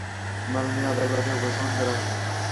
মাননীয় আদালতে উপস্থাপন করা হলো।